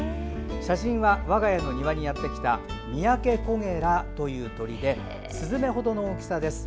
写真は我が家の庭にやってきたミヤケコゲラという鳥ですずめほどの大きさです。